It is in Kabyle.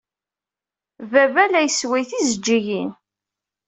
Baba la yessway tijeǧǧiǧin.